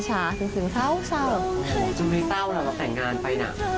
จุงที่เจ้าเราก็แต่งงานไป